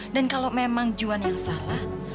dan kalau memang juan yang salah